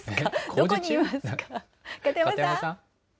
どこにいますか？